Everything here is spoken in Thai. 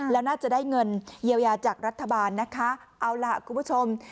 แล้วน่าจะได้เงินเยียวยาจากรัฐบาลนะคะเอาล่ะคุณผู้ชม